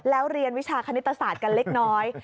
แล้วเรียนวิชาคณิตศาสตร์กันเล็กน้อย